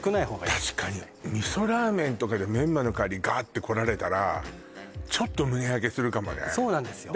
確かに味噌ラーメンとかでメンマの香りガーッてこられたらちょっと胸焼けするかもねそうなんですよ